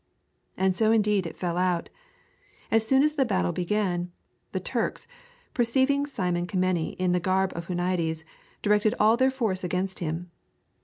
And so indeed it fell out. As soon as the battle began, the Turks, perceiving Simon Kemeny in the garb of Huniades, directed all their force against him.